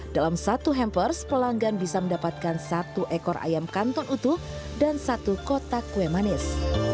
dalam satu hampers pelanggan bisa mendapatkan satu ekor ayam kanton utuh dan satu kotak kue manis